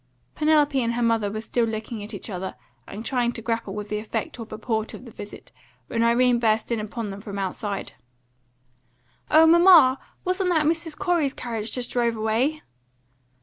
Penelope and her mother were still looking at each other, and trying to grapple with the effect or purport of the visit, when Irene burst in upon them from the outside. "O mamma! wasn't that Mrs. Corey's carriage just drove away?"